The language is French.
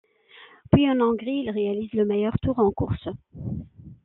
Puis, en Hongrie, il réalise le meilleur tour en course.